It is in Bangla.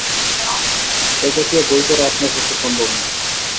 এ জাতীয় বই পড়া আপনার পক্ষে সম্ভব নয়।